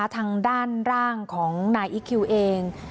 ทางด้านร่างของนายอีคคิวเอง